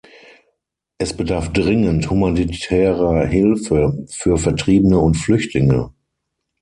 Es bedarf dringend humanitärer Hilfe für Vertriebene und Flüchtlinge.